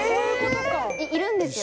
いるんですよ。